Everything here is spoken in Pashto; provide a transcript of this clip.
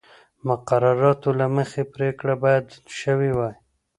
مقرراتو له مخې پرېکړه باید شوې وای.